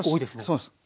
そうです。